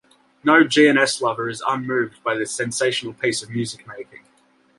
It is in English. No G and S lover is unmoved by this sensational piece of music making.